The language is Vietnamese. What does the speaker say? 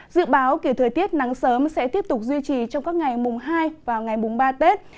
dự báo kiểu thời tiết nắng sớm sẽ tiếp tục duy trì trong các ngày mùng hai và ngày mùng ba tết